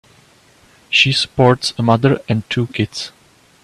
She supports a mother and two kids.